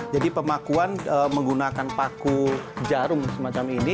jadi pemakuan menggunakan paku jarum semacam ini